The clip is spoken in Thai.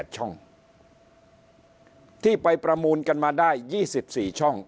ช่องที่ไปประมูลกันมาได้๒๔ช่อง